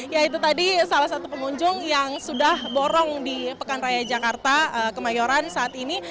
ya itu tadi salah satu pengunjung yang sudah borong di pekan raya jakarta kemayoran saat ini